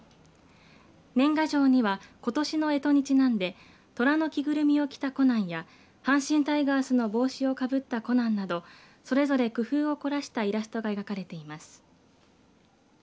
年賀状にはことしのえとにちなんで虎の着ぐるみを着たコナンや阪神タイガースの帽子をかぶったコナンなどそれぞれ工夫を凝らしたイラストが描かれています。